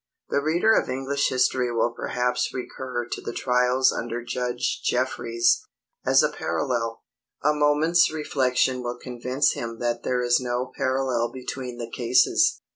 The reader of English history will perhaps recur to the trials under Judge Jeffries, as a parallel. A moment's reflection will convince him that there is no parallel between the cases.